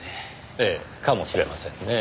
ええかもしれませんね。